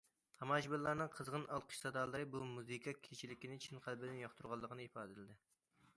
تاماشىبىنلارنىڭ قىزغىن ئالقىش سادالىرى بۇ مۇزىكا كېچىلىكىنى چىن قەلبىدىن ياقتۇرغانلىقىنى ئىپادىلىدى.